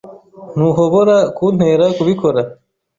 Ntuhobora kuntera kubikora